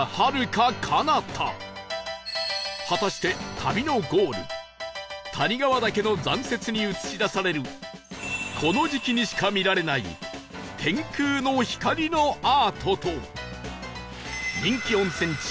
果たして旅のゴール谷川岳の残雪に映し出されるこの時期にしか見られない天空の光のアートと人気温泉地